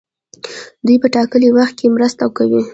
دوی په ټاکلي وخت کې مرسته کوي.